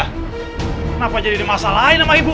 kenapa jadi dimasalahin sama ibu